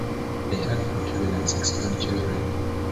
They had four children and six grandchildren.